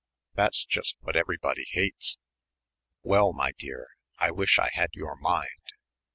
"That's just what everybody hates!" "Well, my dear, I wish I had your mind."